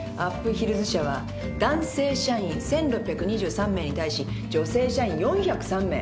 ヒルズ社は男性社員１，６２３名に対し女性社員４０３名。